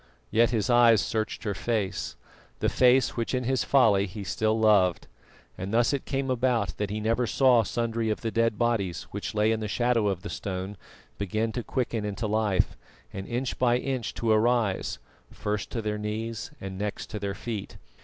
Yet his eyes searched her face the face which in his folly he still loved; and thus it came about that he never saw sundry of the dead bodies, which lay in the shadow of the stone, begin to quicken into life, and inch by inch to arise, first to their knees and next to their feet.